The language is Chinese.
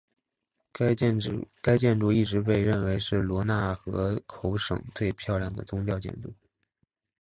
该建筑一直被认为是罗讷河口省最漂亮的宗教建筑。